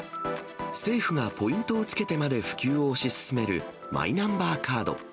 政府がポイントをつけてまで普及を推し進めるマイナンバーカード。